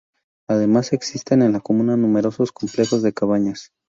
Además existen en la comuna numerosos complejos de cabañas.